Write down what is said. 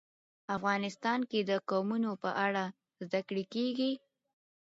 افغانستان کې د قومونه په اړه زده کړه کېږي.